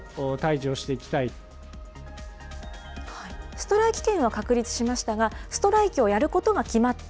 ストライキ権は確立しましたが、ストライキをやることが決